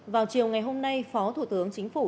vào chiều ngày hôm nay phó thủ tướng chính phủ